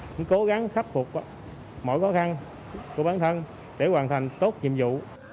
cũng cố gắng khắc phục mọi khó khăn của bản thân để hoàn thành tốt nhiệm vụ